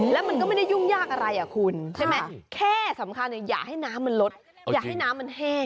แล้วมันก็ไม่ได้ยุ่งยากอะไรอ่ะคุณใช่ไหมแค่สำคัญอย่าให้น้ำมันลดอย่าให้น้ำมันแห้ง